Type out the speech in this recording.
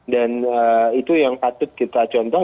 dan itu yang patut kita contoh